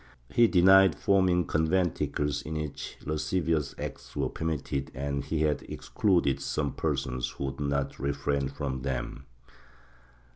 He denied forming conventicles in which lascivious acts were permitted and he had excluded some persons who would not refrain from them.